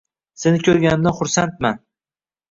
Seni koʻrganimdan xursandman.